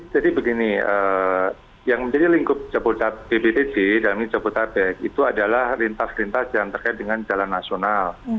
jadi begini yang menjadi lingkup pbtj dalam jabodetabek itu adalah lintas lintas yang terkait dengan jalan nasional